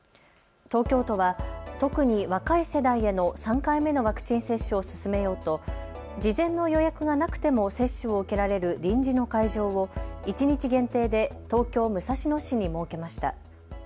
東京都は特に若い世代への３回目のワクチン接種を進めようと事前の予約がなくても接種を受けられる臨時の会場を一日限定で東京武蔵野市に設けました。